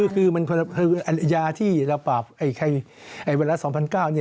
คือมันคือยาที่เราปราบไข้เวรัส๒๙๐๐นี่